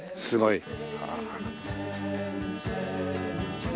すごい。